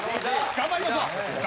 頑張りましょう！